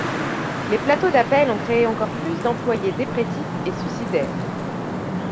Les plateaux d'appel ont créé encore plus d'employés dépressifs et suicidaires.